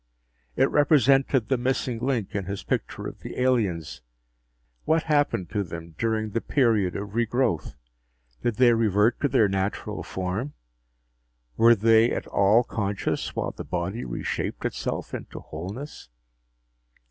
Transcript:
It represented the missing link in his picture of the aliens. What happened to them during the period of regrowth? Did they revert to their natural form? Were they at all conscious while the body reshaped itself into wholeness?